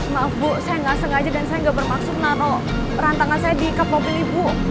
maaf bu saya gak sengaja dan saya gak bermaksud naro rantangan saya di kap mobil ibu